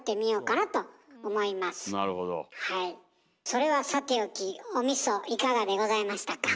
それはさておきおみそいかがでございましたか？